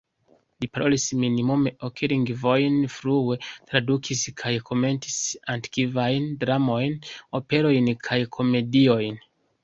Li parolis minimume ok lingvojn flue, tradukis kaj komentis antikvajn dramojn, operojn kaj komediojn.